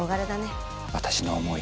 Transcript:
私の思い